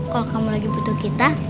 kalau kamu lagi butuh kita